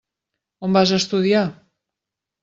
On vas estudiar?